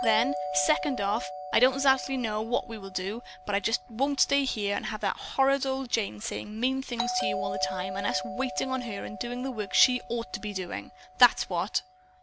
Then, second off, I don't 'zactly know what we will do, but I just won't stay here and have that horrid old Jane saying mean things to you all the time and us waiting on her and doing the work she ought to be doing. That's what."